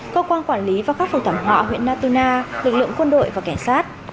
cơ quan quản lý và khắc phục thảm họa huyện natuna lực lượng quân đội và cảnh sát